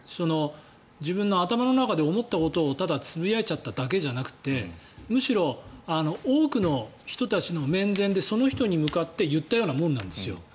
自分の頭の中で思っていることをただつぶやいちゃっただけではなくてむしろ、多くの人たちの面前でその人の前で言ったようなものなんですよ。